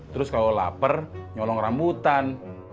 terus kalau lapar nyolong rambutan